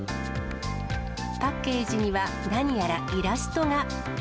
パッケージには、何やらイラストが。